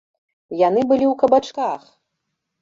Яны былі ў кабачках!